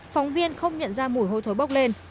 phóng viên không nhận ra mùi hôi thối bốc lên